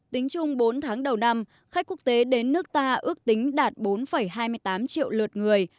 tính chung bốn tháng đầu năm khách quốc tế đến nước ta ước tính đạt bốn hai mươi tám triệu lượt người